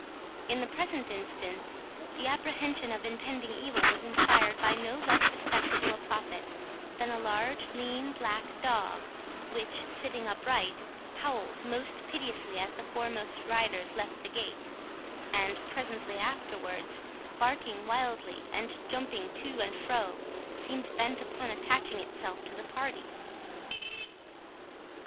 In the present instance, the apprehension of impending evil was inspired by no less respectable a prophet than a large lean black dog, which, sitting upright, howled most piteously as the foremost riders left the gate, and presently afterwards, barking wildly, and jumping to and fro, seemed bent upon attaching itself to the party.